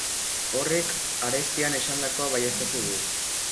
Horrek arestian esandakoa baieztatzen du.